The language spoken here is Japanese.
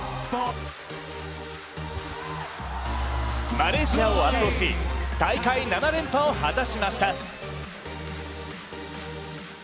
マレーシアを圧倒し大会７連覇を果たしました。